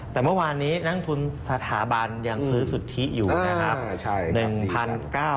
แต่เมื่อวานนี้นักทุนสถาบันยังซื้อสุทธิอยู่นะครับ